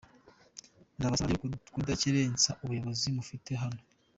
Ndabasaba rero kudakerensa ubuyobozi mufite hano.”